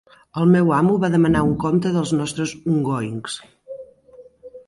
El meu amo va demanar un compte dels nostres ongoings.